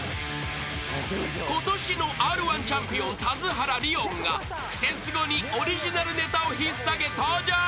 ［ことしのＲ−１チャンピオン田津原理音が『クセスゴ』にオリジナルネタを引っ提げ登場］